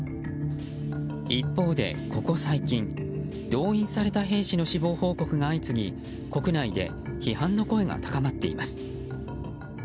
一方で、ここ最近動員された兵士の死亡報告が相次ぎ国内で批判の声が高まっています。